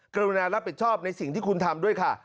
กรุณารับผิดชอบในสิ่งที่คุณทำด้วยค่ะ